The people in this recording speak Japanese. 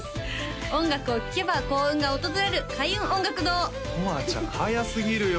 音楽を聴けば幸運が訪れる開運音楽堂とわちゃん早すぎるよ